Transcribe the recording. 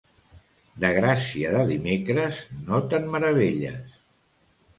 De gràcia de dimecres, no te'n meravelles.